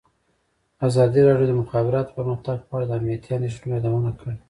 ازادي راډیو د د مخابراتو پرمختګ په اړه د امنیتي اندېښنو یادونه کړې.